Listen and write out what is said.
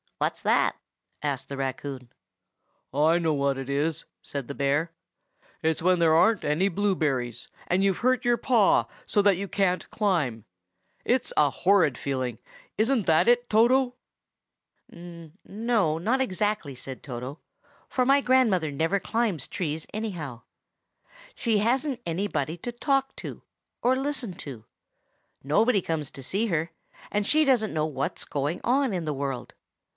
What's that?" asked the raccoon. "I know what it is!" said the bear. "It's when there aren't any blueberries, and you've hurt your paw so that you can't climb. It's a horrid feeling. Isn't that it, Toto?" "N no, not exactly," said Toto, "for my grandmother never climbs trees, anyhow. She hasn't anybody to talk to, or listen to; nobody comes to see her, and she doesn't know what is going on in the world.